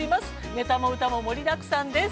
ネタも歌も盛りだくさんです。